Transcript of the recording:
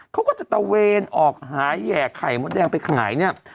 เขาก็จะตะเวนออกหาแห่ไข่มดแดงไปขายเนี่ย